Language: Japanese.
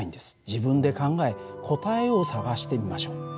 自分で考え答えを探してみましょう。